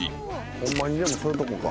ホンマにでもそういうとこか。